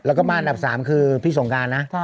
แล้วก็มาอันดับ๓คือพี่สงการนะ